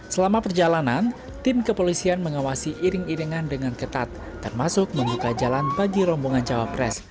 selama perjalanan tim kepolisian mengawasi iring iringan dengan ketat termasuk membuka jalan bagi rombongan cawapres